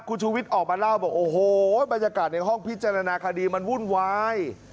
คุณชูวิทย์ออกมาเล่าบอกโอ้โหบรรยากาศในห้องพิจารณาคดีมันวุ่นวาย